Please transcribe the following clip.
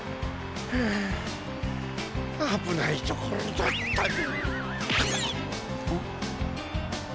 ふうあぶないところだったぜ。